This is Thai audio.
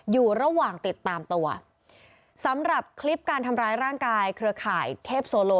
อยู่ระหว่างติดตามตัวสำหรับคลิปการทำร้ายร่างกายเครือข่ายเทพโซโล